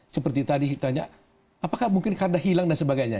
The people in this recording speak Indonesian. seperti tadi ditanya apakah mungkin karena hilang dan sebagainya